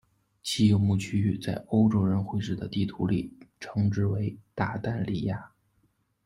其游牧区域在欧洲人绘制的地图里称之为鞑靼利亚。